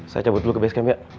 saya cabut dulu ke basecamp ya